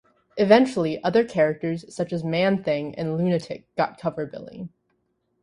Eventually other characters, such as Man-Thing and Lunatik, got cover billing.